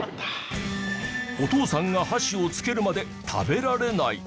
お父さんが箸をつけるまで食べられない。